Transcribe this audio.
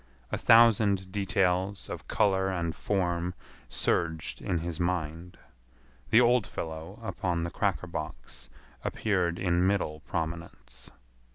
A thousand details of color and form surged in his mind. The old fellow upon the cracker box appeared in middle prominence.